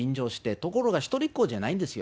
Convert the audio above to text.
ところが一人っ子じゃないんですよ。